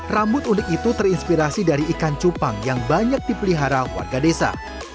rambut unik itu terinspirasi dari ikan cupang yang banyak dipelihara warga desa